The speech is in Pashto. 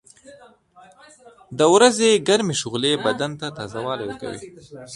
• د ورځې ګرمې شغلې بدن ته تازهوالی ورکوي.